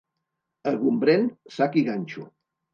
A Gombrèn, sac i ganxo.